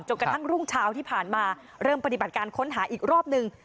กระทั่งรุ่งเช้าที่ผ่านมาเริ่มปฏิบัติการค้นหาอีกรอบหนึ่ง